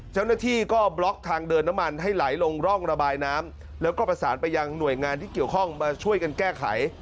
เจ้าหน้าที่ก็บล็อกทางเดินน้ำมันให้ไหลลงร่องระบายน้ำแล้วก็ประสานไปยังหน่วยงานที่เกี่ยวข้องมาช่วยกันแก้ไข